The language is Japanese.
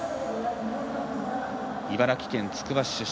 茨城県つくば市出身。